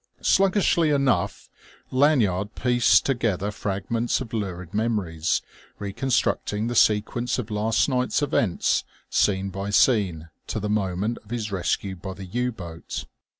Sluggishly enough Lanyard pieced together fragments of lurid memories, reconstructing the sequence of last night's events scene by scene to the moment of his rescue by the U boat.